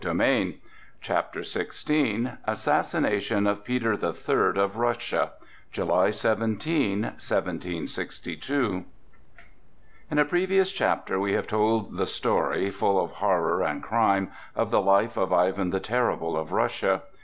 CHAPTER XVI ASSASSINATION OF PETER THE THIRD OF RUSSIA (July 17, 1762) IN a previous chapter we have told the story, full of horror and crime, of the life of Ivan the Terrible of Russia.